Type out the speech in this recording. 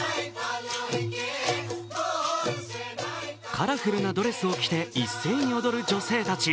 カラフルなドレスを着て一斉に踊る女性たち。